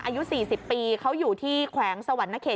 อายุ๔๐ปีเขาอยู่ที่แขวงสวรรณเขต